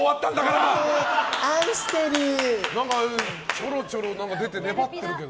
ちょろちょろ出張ってるけど。